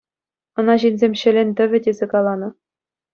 Ӑна ҫынсем Ҫӗлен тӑвӗ тесе каланӑ.